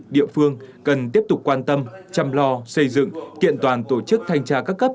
địa phương cần tiếp tục quan tâm chăm lo xây dựng kiện toàn tổ chức thanh tra các cấp